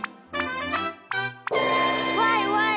「ワイワイ！